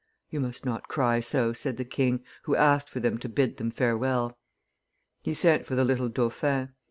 "You must not cry so," said the king, who asked for them to bid them farewell. He sent for the little dauphin.